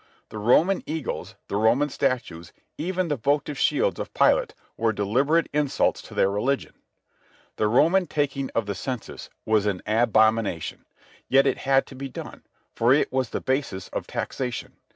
The Roman eagles, the Roman statues, even the votive shields of Pilate, were deliberate insults to their religion. The Roman taking of the census was an abomination. Yet it had to be done, for it was the basis of taxation.